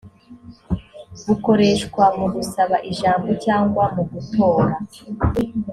bukoreshwa mu gusaba ijambo cyangwa mu gutora